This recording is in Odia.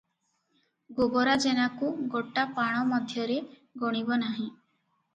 ଗୋବରା ଜେନାକୁ ଗୋଟା ପାଣ ମଧ୍ୟରେ ଗଣିବ ନାହିଁ ।